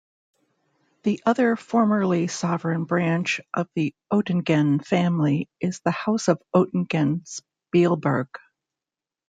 The other formerly sovereign branch of the Oettingen family is the House of Oettingen-Spielberg.